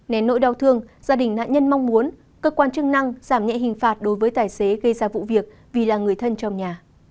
nén nỗi đau thương gia đình nạn nhân mong muốn cơ quan chức năng giảm nhẹ hình phạt đối với tài xế gây ra vụ việc vì là người thân trong nhà